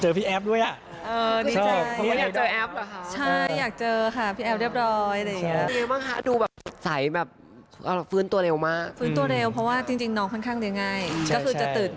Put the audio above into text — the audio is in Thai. เห็นเจอพี่แอฟด้วยหวังว่าอยากเจอแอฟหรอ